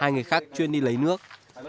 hai người khác chuyên đi lấy nước